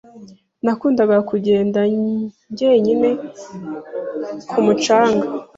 Nakundaga kugenda njyenyine ku mucanga.